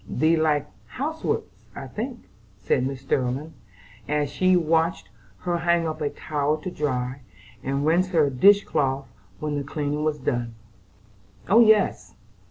"Thee likes housework I think," said Mrs. Sterling, as she watched her hang up a towel to dry, and rinse her dish cloth when the cleaning up was done. "Oh, yes!